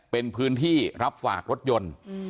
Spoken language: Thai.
เป็นพื้นที่รับฝากรถยนต์